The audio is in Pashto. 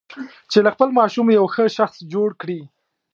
چې له خپل ماشوم یو ښه شخص جوړ کړي.